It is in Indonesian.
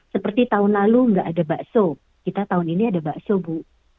seperti tahun lalu nggak ada bakso kita tahun ini ada bakso bu